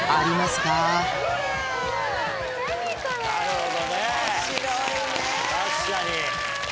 確かに。